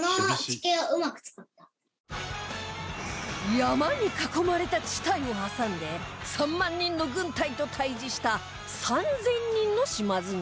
山に囲まれた地帯を挟んで３万人の軍隊と対峙した３０００人の島津軍